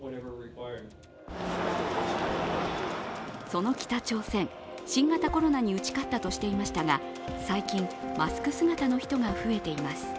その北朝鮮、新型コロナに打ち勝ったとしていましたが、最近、マスク姿の人が増えています